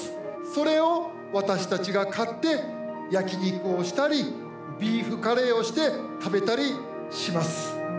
それを私たちが買って焼き肉をしたりビーフカレーをして食べたりします。